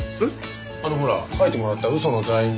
あのほら書いてもらった嘘のダイイング